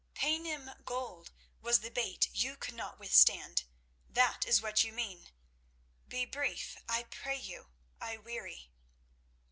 "Paynim gold was the bait you could not withstand—that is what you mean. Be brief, I pray you. I weary.